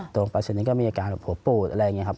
ปัชนิดก็มีอาการแบบหัวปูดอะไรอย่างนี้ครับ